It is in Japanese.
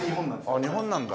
あっ日本なんだ。